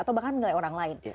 atau bahkan nilai orang lain